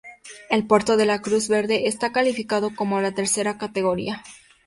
El puerto de la Cruz Verde está calificado como de tercera categoría.